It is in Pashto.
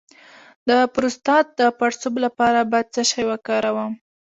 د پروستات د پړسوب لپاره باید څه شی وکاروم؟